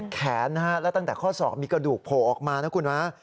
นะฮะและตั้งแต่ข้อศอกมีกระดูกโผล่ออกมานะคุณฮะ